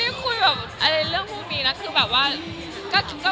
ให้หนูเคลียร์อะไรอ่ะหนูไม่รู้เลยว่าต้องเคลียร์อะไรอ่ะ